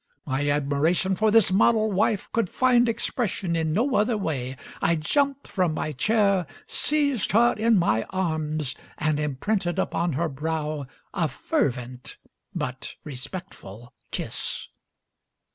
My admiration for this model wife could find expression in no other way; I jumped from my chair, seized her in my arms, and imprinted upon her brow a fervent but respectful kiss.